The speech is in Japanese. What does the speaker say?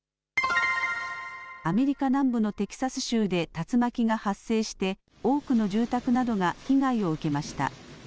アメリカ南部のテキサス州で竜巻が発生して、多くの住宅などが被害を受けました。